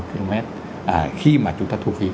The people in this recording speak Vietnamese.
khi mà chúng ta thu phí